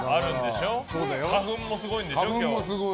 花粉もすごいんでしょ、今日。